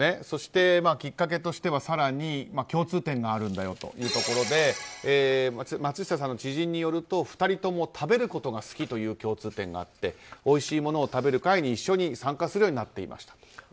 そして、きっかけとしては更に共通点があるんだよというところで松下さんの知人によると２人とも食べることが好きという共通点があっておいしいものを食べる会に一緒に参加するようになっていましたと。